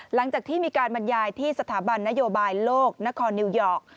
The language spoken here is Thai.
หลังจากที่มีการบรรยายที่สถาบันนโยบายโลกนครนิวยอร์ก